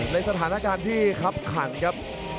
ในสถานการณ์ที่คับขันครับ